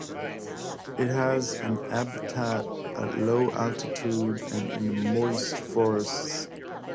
It has an habitat at low altitude and in moist forests.